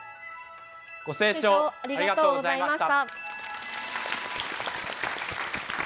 ご清聴ありがとうございました。